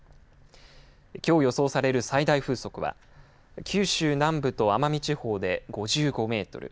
きょう予想される最大風速は九州南部と奄美地方で５５メートル